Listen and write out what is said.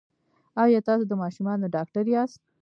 ایا تاسو د ماشومانو ډاکټر یاست؟